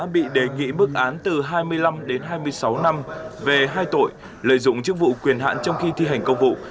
bị đề nghị mức án từ hai mươi năm đến hai mươi sáu năm về hai tội lợi dụng chức vụ quyền hạn trong khi thi hành công vụ